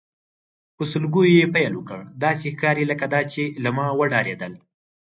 په سلګیو یې پیل وکړ، داسې ښکاري لکه دا چې له ما وډارېدل.